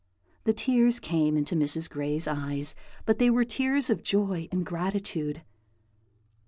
The tears came into Mrs. Gray's eyes, but they were tears of joy and gratitude.